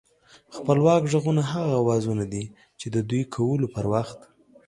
خپلواک غږونه هغه اوازونه دي چې د دوی کولو پر وخت